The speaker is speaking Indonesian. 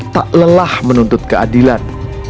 tak lelah menuntut keadilan